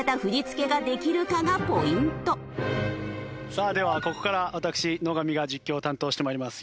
さあではここから私野上が実況を担当して参ります。